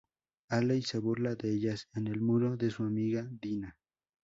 Haley se burla de ellas en el muro de su amiga, Dina.